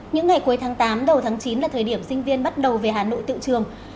những ngày cuối tháng tám đầu tháng chín là thời điểm sinh viên bắt đầu về hà nội tự trường